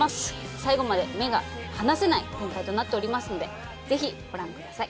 最後まで目が離せない展開となっておりますんでぜひご覧ください。